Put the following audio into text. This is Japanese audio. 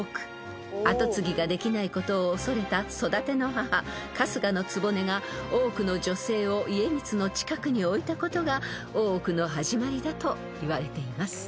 ［跡継ぎができないことを恐れた育ての母春日局が多くの女性を家光の近くに置いたことが大奥の始まりだといわれています］